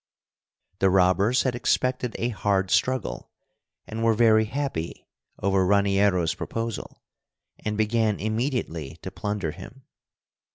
The robbers had expected a hard struggle, and were very happy over Raniero's proposal, and began immediately to plunder him.